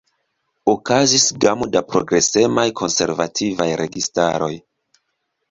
Okazis gamo da progresemaj konservativaj registaroj.